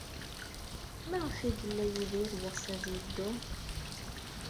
Maɣef ay yella Yidir yeɣs ad yeddu?